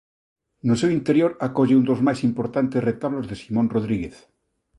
No seu interior acolle un dos máis importantes retablos de Simón Rodríguez.